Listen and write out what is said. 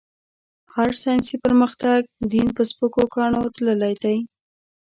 هر ساينسي پرمختګ؛ دين په سپکو کاڼو تللی دی.